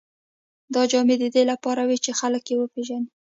دا جامې د دې لپاره وې چې خلک یې وپېژني.